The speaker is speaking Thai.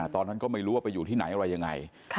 ตอนนั้นก็ไม่รู้ว่าไปอยู่ที่ไหนอะไรยังไง